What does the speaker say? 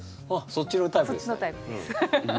そっちのタイプです。